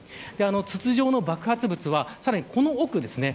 筒状の爆発物はさらにこの奥ですね。